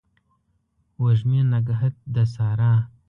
وږمې نګهت د سارا